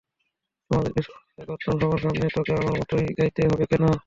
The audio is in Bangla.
তোমাকে সরমিন্দা করতাম সবার সামনে, তোকে আমার মতোই গাইতে হবে কেন?